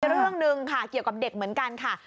เรื่องหนึ่งค่ะเกี่ยวกับเด็กเหมือนกันค่ะ